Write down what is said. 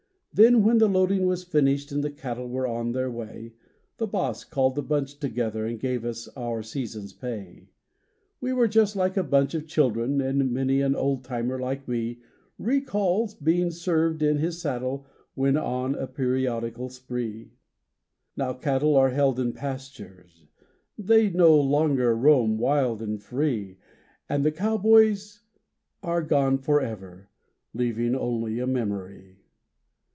Then when the loading was finished And the cattle were on their way, The Boss called the bunch together And gave us our season's pay. We were just like a bunch of children, And many an old timer like me Recalls being served in his saddle, When on a periodical spree. Now, cattle are held in pastures, They no longer roam wild and free,— And the cowboys are gone forever, Leaving only a memory.